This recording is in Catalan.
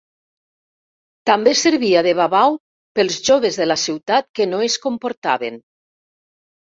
També servia de babau pels joves de la ciutat que no es comportaven.